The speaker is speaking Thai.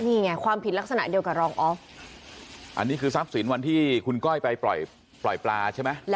นี่ไงความผิดลักษณะเดียวกับรองออฟอันนี้คือทรัพย์สินวันที่คุณก้อยไปปล่อยปลาใช่ไหม